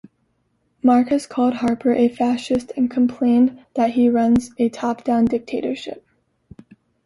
Mark has called Harper a "fascist" and complained that he runs a "top-down dictatorship.